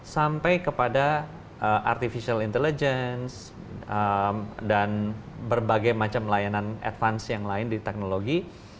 sampai kepada artificial intelligence dan berbagai macam layanan advance yang lain di teknologi